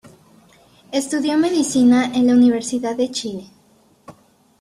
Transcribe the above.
Estudió medicina en la Universidad de Chile.